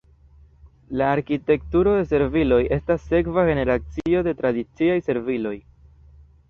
La arkitekturo de serviloj estas sekva generacio de tradiciaj serviloj.